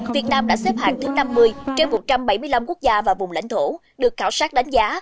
việt nam đã xếp hạng thứ năm mươi trên một trăm bảy mươi năm quốc gia và vùng lãnh thổ được khảo sát đánh giá